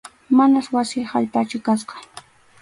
Manas wasi allpachu kasqa.